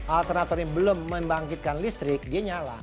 alternator yang belum membangkitkan listrik dia nyala